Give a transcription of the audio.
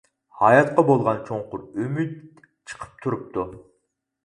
ھاياتقا بولغان چوڭقۇر ئۈمىد چىقىپ تۇرۇپتۇ.